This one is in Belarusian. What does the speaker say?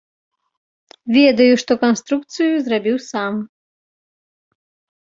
Ведаю, што канструкцыю зрабіў сам.